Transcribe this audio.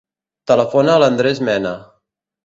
Telefona a l'Andrés Mena.